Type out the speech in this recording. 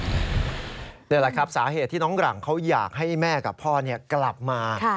นี่แหละครับสาเหตุที่น้องหลังเขาอยากให้แม่กับพ่อกลับมา